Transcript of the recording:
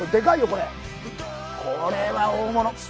これは大物！